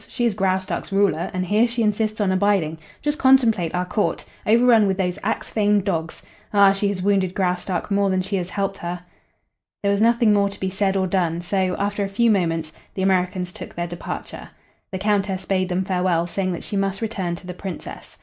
She is Graustark's ruler, and here she insists on abiding. Just contemplate our court! Over run with those Axphain dogs! Ah, she has wounded Graustark more than she has helped her." There was nothing more to be said or done, so, after a few moments, the Americans took their departure. The Countess bade them farewell, saying that she must return to the Princess.